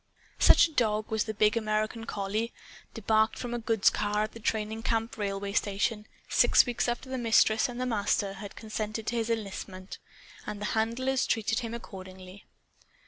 Such a dog was the big American collie, debarked from a goods car at the training camp railway station, six weeks after the Mistress and the Master had consented to his enlistment. And the handlers treated him accordingly.